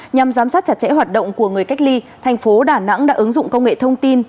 nhằm giám sát chặt chẽ hoạt động của người cách ly thành phố đà nẵng đã ứng dụng công nghệ thông tin